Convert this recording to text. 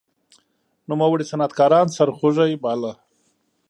نوموړي صنعتکاران سرخوږی باله.